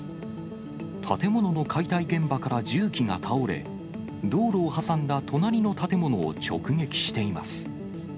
建物の解体現場から重機が倒れ、道路を挟んだ隣の建物を直撃しています。